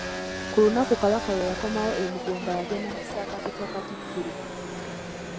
Ku lunaku Kabaka lwe yakomawo e Mugomba yagenda mu kisaakate kya Katikkiro.